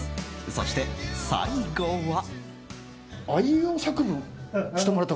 そして、最後は。